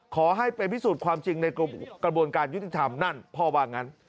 ขอให้ไปพิสูจน์ความจริงในกระบวนการยุติธรรมนั่นพ่อว่างั้น